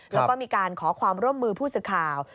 แล้วก็มีการขอความร่วมมือผู้สื่อข่าว